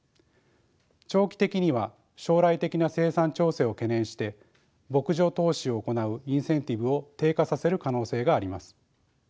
長期的には将来的な生産調整を懸念して牧場投資を行うインセンティブを低下させる可能性があります。